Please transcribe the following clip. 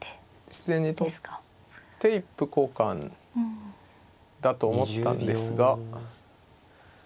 自然に取って一歩交換だと思ったんですが。